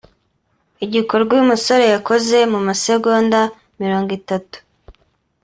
Igikorwa uyu musore yakoze mu masegonda mirongo itatu